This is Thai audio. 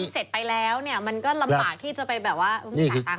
คือถ้าเราทำเสร็จไปแล้วเนี่ยมันก็ลำบากที่จะไปแบบว่า